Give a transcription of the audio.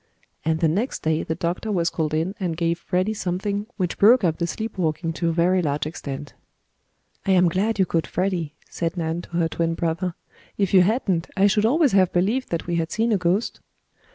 And the next day the doctor was called in and gave Freddie something which broke up the sleep walking to a very large extent. "I am glad you caught Freddie," said Nan, to her twin brother. "If you hadn't, I should always have believed that we had seen a ghost."